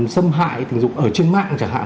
xâm hại tình dục ở trên mạng chẳng hạn